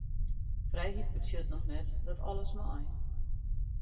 Frijheid betsjut noch net dat alles mei.